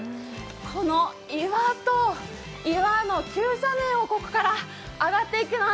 この岩と岩の急斜面をここから上がっていきます。